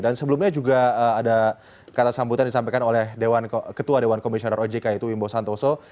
dan sebelumnya juga ada kata sambutan disampaikan oleh ketua dewan komisioner ojk wimbo santoso